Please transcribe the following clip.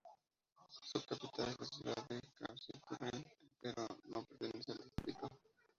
Su capital es la ciudad de Kaiserslautern, pero que no pertenece al distrito.